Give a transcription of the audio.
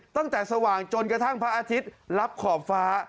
ตั้งแต่สว่างจนกระทั่งพระอาทิตย์รับขอบฟ้า